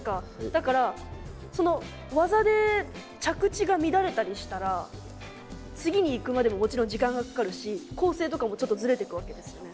だからその技で着地が乱れたりしたら次にいくまでももちろん時間がかかるし構成とかもちょっとズレてくわけですよね。